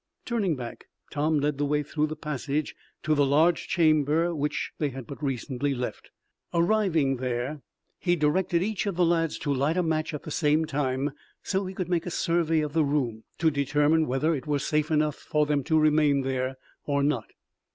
Turning back, Tom led the way through the passage to the large chamber which they had but recently left. Arriving there, he directed each of the lads to light a match at the same time so he could make a survey of the room to determine whether it were safe for them to remain there or not.